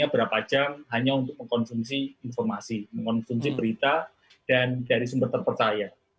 berapa jam hanya untuk mengkonsumsi informasi mengonsumsi berita dan dari sumber terpercaya